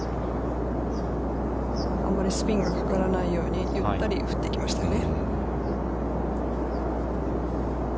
あんまりスピンがかからないようにゆったり振っていきましたね。